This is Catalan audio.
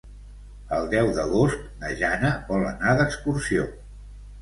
El deu d'agost na Jana vol anar d'excursió.